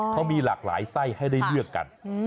เขามีหลากหลายไส้ให้ได้เลือกกัน